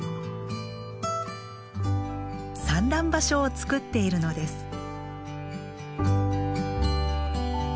産卵場所を作っているのです。